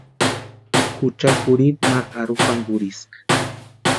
Jucha kurhinta ma arhupankurhiska.